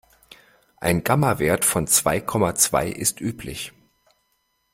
Ein Gamma-Wert von zwei Komma zwei ist üblich.